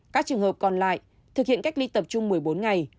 các trường hợp còn lại thực hiện cách ly tập trung một mươi bốn ngày